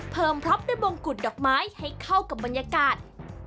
พร้อมด้วยมงกุฎดอกไม้ให้เข้ากับบรรยากาศ